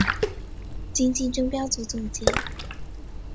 今季争标组总结。